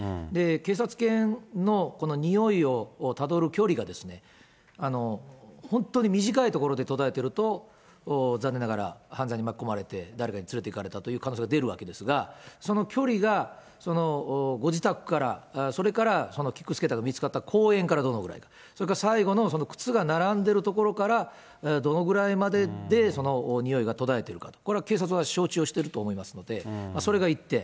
警察犬のこのにおいをたどる距離が、本当に短い所で途絶えていると、残念ながら、犯罪に巻き込まれて、誰かに連れていかれたという可能性が出るわけですが、その距離がご自宅から、それからキックスケーターが見つかった公園からどのぐらい、それから最後の靴が並んでいる所からどのぐらいまでで、そのにおいが途絶えてるか、これは警察は承知をしていると思いますので、それが１点。